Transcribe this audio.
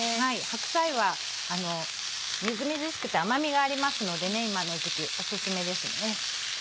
白菜はみずみずしくて甘みがありますので今の時期オススメですね。